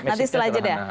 nanti setelah jeda